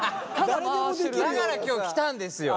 だから今日来たんですよ。